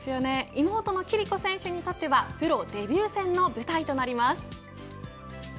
妹の暉璃子選手にとってはプロデビュー戦の舞台となります。